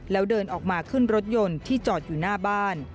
แล้วเดินออกมาขึ้นรถยนต์ที่จอดอยู่หน้าบ้าน